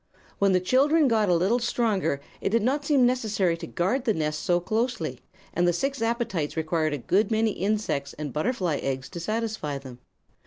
"When the children got a little stronger it did not seem necessary to guard the nest so closely, and the six appetites required a good many insects and butterfly eggs to satisfy them.